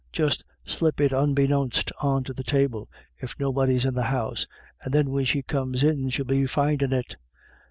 Just slip it unbeknownst on to the table, if nobody's in the house, and then when she comes in she'll be findin' it."